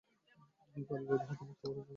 এই কালো জাদু হতে মুক্ত হওয়ার জন্য একজনকে খুঁজছি।